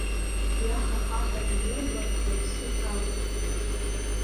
Ҩаха-хаха данырба, лыԥсы ҭалеит.